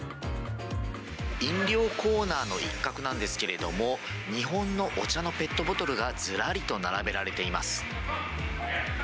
飲料コーナーの一角なんですけれども、日本のお茶のペットボトルがずらりと並べられています。